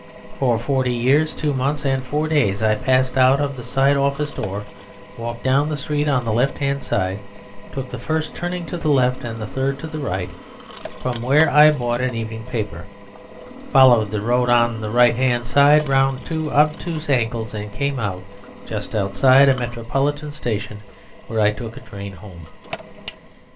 For forty years two months and four days I passed out of the side office door, walked down the street on the left hand side, took the first turning to the left and the third to the right, from where I bought an evening paper, followed the road on the right hand side round two obtuse angles, and came out just outside a Metropolitan station, where I took a train home.